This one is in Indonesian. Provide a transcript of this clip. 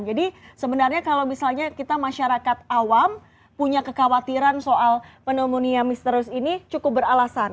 jadi sebenarnya kalau misalnya kita masyarakat awam punya kekhawatiran soal pneumonia misterius ini cukup beralasan